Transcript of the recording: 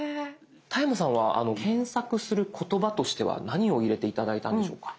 田山さんは検索する言葉としては何を入れて頂いたんでしょうか？